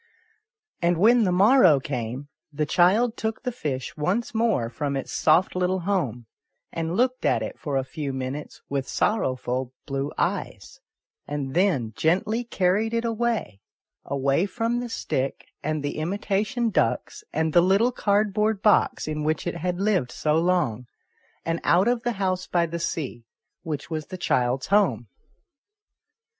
And when the morrow came, the child took the fish once more from its soft little home, and looked at it for a few minutes with sorrowful blue eyes, and then gently carried it away away from the stick and the imitation ducks and the little cardboard box in which it had lived so long, and out of the house by the sea, which was the child's home.